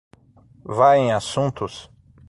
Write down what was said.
Vá em assuntos?